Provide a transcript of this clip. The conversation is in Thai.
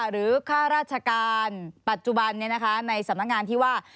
ค่าราชการปัจจุบันในสำนักงานที่ว่า